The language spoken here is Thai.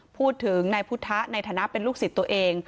พูดถึงนายพุทธะในฐานะเป็นลูกศิษย์ตัวเอง